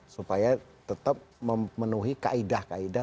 supaya tetap memenuhi kaedah kaedah